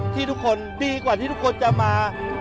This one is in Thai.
ที่ทุกคนดีกว่าที่ทุกคนจะมา